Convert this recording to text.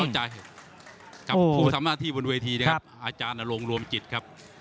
กับผู้ทำหน้าที่บนเวทีนะครับอาจารย์นรงค์รวมจิตครับ